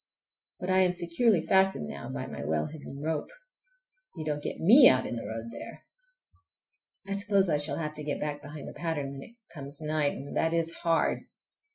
But I am securely fastened now by my well hidden rope—you don't get me out in the road there! I suppose I shall have to get back behind the pattern when it comes night, and that is hard!